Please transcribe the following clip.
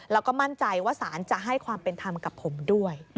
แล้วก็มั่นใจว่าสารจะให้ความเป็นธรรมกับผมด้วย